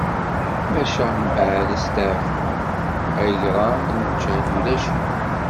Maca, mbaɛd asteɛfu, agṛam n lǧehd ulac-it.